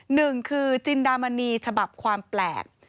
หนึ่งคือจินดามณีฉบับความแปลก